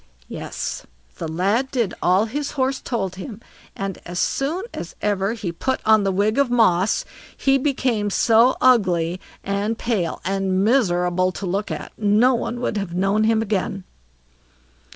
Yes! the lad did all his Horse told him, and as soon as ever he put on the wig of moss he became so ugly, and pale, and miserable to look at, no one would have known him again.